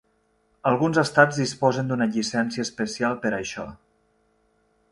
Alguns estats disposen d'una llicència especial per a això.